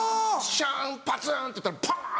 シャンパツンってやったらポン！